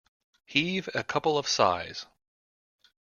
Heave a couple of sighs.